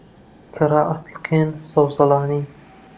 کە ڕائەچڵەکن سەوزەڵانی